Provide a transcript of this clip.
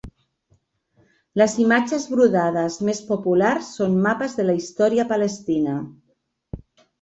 Les imatges brodades més populars són mapes de la història Palestina.